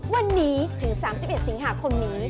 วันนี้ถึง๓๑สิงหาคมนี้